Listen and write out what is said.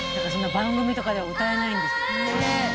番組とかでは歌えないんですよ。